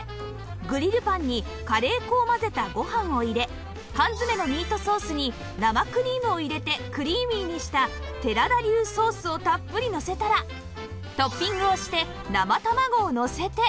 グリルパンにカレー粉を混ぜたご飯を入れ缶詰のミートソースに生クリームを入れてクリーミーにした寺田流ソースをたっぷりのせたらトッピングをして生卵をのせて